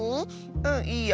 うんいいよ！